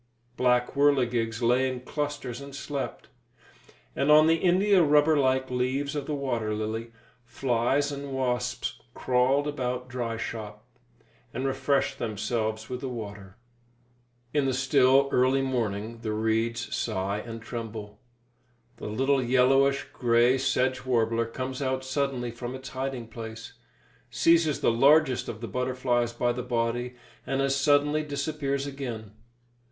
Black whirligigs lay in clusters and slept; and on the india rubber like leaves of the water lily, flies and wasps crawled about dry shop, and refreshed themselves with the water. In the still, early morning the reeds sigh and tremble. The little yellowish grey sedge warbler comes out suddenly from its hiding place, seizes the largest of the butterflies by the body, and as suddenly disappears again.